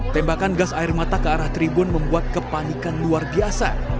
tembakan gas air mata ke arah tribun membuat kepanikan luar biasa